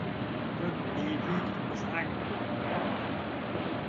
Több évig az ágakon maradnak.